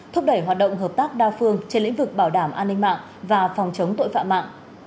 thúc đẩy hoạt động hợp tác đa phương trên lĩnh vực bảo đảm an ninh mạng và phòng chống tội phạm mạng